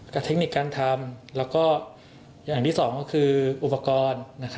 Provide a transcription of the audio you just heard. เทคนิคการทำแล้วก็อย่างที่สองก็คืออุปกรณ์